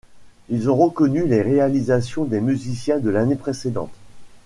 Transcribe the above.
Ils ont reconnu les réalisations des musiciens de l'année précédente.